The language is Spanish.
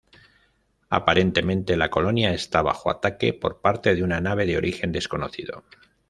Aparentemente la colonia está bajo ataque por parte de una nave de origen desconocido.